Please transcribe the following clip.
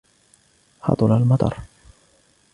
هطل المطر.